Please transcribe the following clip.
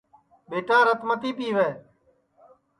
ٻِیٹا رت متی پِیوے